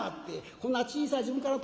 こんな小さい時分から友達や」。